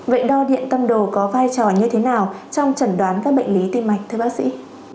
vậy đo điện tâm đồ có vai trò như thế nào trong trần đoán các bệnh lý tim mạch thưa bác sĩ